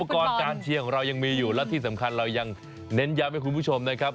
กรการเชียร์ของเรายังมีอยู่และที่สำคัญเรายังเน้นย้ำให้คุณผู้ชมนะครับ